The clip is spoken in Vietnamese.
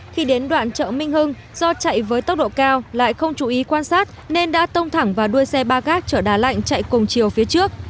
khi đến đoạn chợ minh hưng do chạy với tốc độ cao lại không chú ý quan sát nên đã tông thẳng vào đuôi xe ba gác trở đà lạnh chạy cùng chiều phía trước